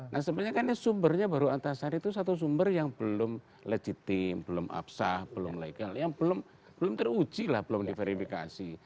nah sebenarnya kan ini sumbernya baru antasari itu satu sumber yang belum legitim belum absah belum legal yang belum teruji lah belum diverifikasi